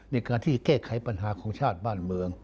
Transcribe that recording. ในการที่แก้ไขปัญหาของชาติบ้านเมือง